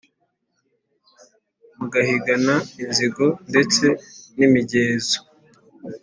mugahigana inzigo ndetse nimigeso